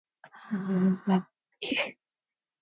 She was also credited for her mentorship of fellow lesbian cooks.